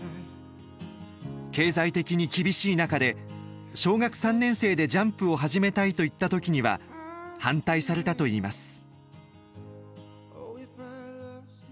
経済的に厳しい中で小学３年生でジャンプを始めたいと言った時には反対されたといいます。